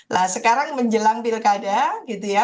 nah sekarang menjelang pilkada gitu ya